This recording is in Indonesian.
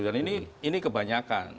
dan ini kebanyakan